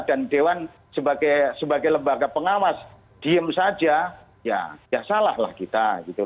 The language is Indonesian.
dan dewan sebagai lembaga pengawas diem saja ya salahlah kita